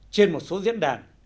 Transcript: trên một số diễn đàn